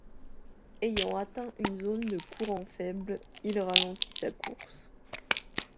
Ayant atteint une zone de courants faibles, il ralentit sa course.